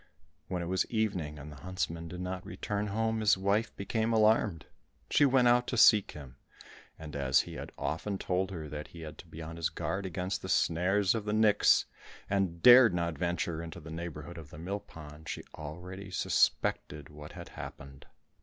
When it was evening, and the huntsman did not return home, his wife became alarmed. She went out to seek him, and as he had often told her that he had to be on his guard against the snares of the nix, and dared not venture into the neighbourhood of the mill pond, she already suspected what had happened.